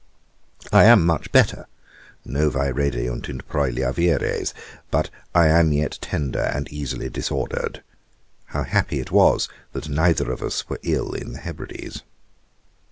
I am much better: novae redeunt in praelia vires; but I am yet tender, and easily disordered. How happy it was that neither of us were ill in the Hebrides.